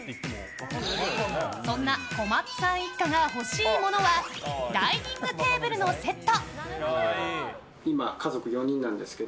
そんな小松さん一家が欲しいものはダイニングテーブルのセット。